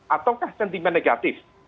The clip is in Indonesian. ataukah sentimen negatif